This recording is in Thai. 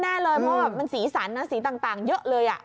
เพราะว่ามันสีสั่นสีต่างเยอะเลยอ่ะ